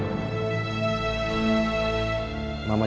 jangan lupa kak